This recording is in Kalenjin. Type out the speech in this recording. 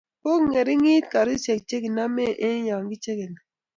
kokongeringin kariushe che kiname eng ya kichekenii